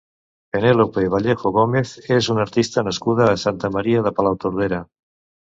Penélope Vallejo Gómez és una artista nascuda a Santa Maria de Palautordera.